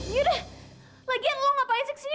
yaudah lagian lo ngapain sih kesini